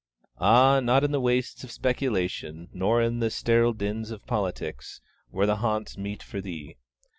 Ah, not in the wastes of Speculation, nor the sterile din of Politics, were 'the haunts meet for thee.'